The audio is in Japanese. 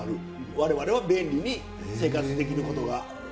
我々は便利に生活できることが。